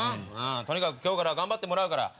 とにかく今日から頑張ってもらうから。